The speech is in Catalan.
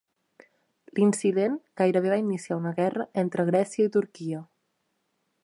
L'incident gairebé va iniciar una guerra entre Grècia i Turquia.